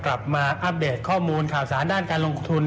มาอัปเดตข้อมูลข่าวสารด้านการลงทุน